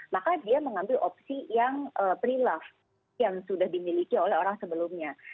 maka dia mengambil opsi yang pre love yang sudah dimiliki oleh orang sebelumnya